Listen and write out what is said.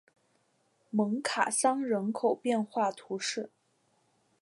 蒙卡桑人口变化图示